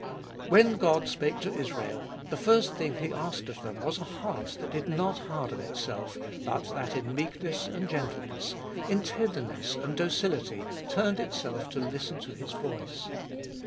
When God spake to Israel, the first thing he asked of them was a heart that did not harden itself, but that in meekness and gentleness, in tenderness and docility turned itself to listen to His voice.